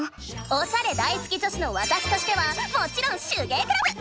おしゃれ大好き女子のわたしとしてはもちろん手芸クラブ！